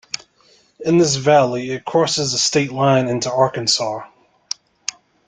In this valley, it crosses the state line into Arkansas.